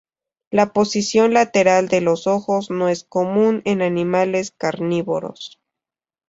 La posición lateral de los ojos no es común en animales carnívoros.